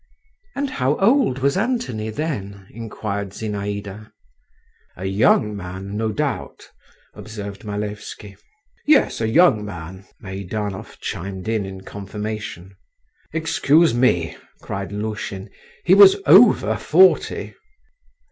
"And how old was Antony then?" inquired Zinaïda. "A young man, no doubt," observed Malevsky. "Yes, a young man," Meidanov chimed in in confirmation. "Excuse me," cried Lushin, "he was over forty."